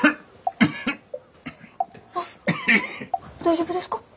あっ大丈夫ですか？